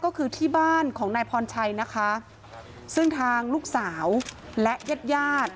ก็คือที่บ้านของนายพรชัยนะคะซึ่งทางลูกสาวและญาติญาติ